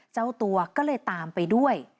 เจ้าตัวก็เลยตามไปด้วย